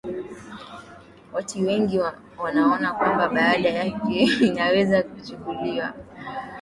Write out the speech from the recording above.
watu wengi wanaona kwamba nafasi yake inaweza ikachukuliwa